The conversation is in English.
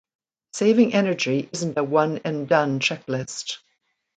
Saving energy isn’t a one-and-done checklist.